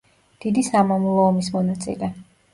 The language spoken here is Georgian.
დიდი სამამულო ომის მონაწილე.